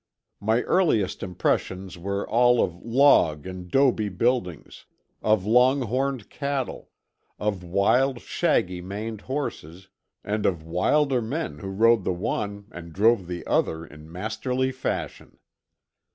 My earliest impressions were all of log and 'dobe buildings, of long horned cattle, of wild, shaggy maned horses, and of wilder men who rode the one and drove the other in masterly fashion.